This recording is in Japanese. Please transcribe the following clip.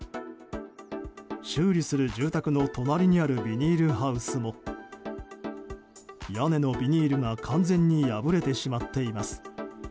修理する住宅の隣にあるビニールハウスも屋根のビニールが完全に破れてしまっています。